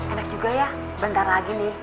enak juga ya bentar lagi nih